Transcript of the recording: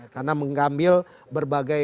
karena mengambil berbagai